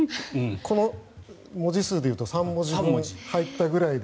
この文字数でいうと３文字分入ったぐらいで。